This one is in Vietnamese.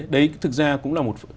đấy thực ra cũng là một